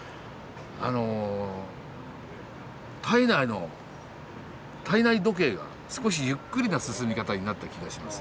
あの体内の体内時計が少しゆっくりな進み方になった気がします。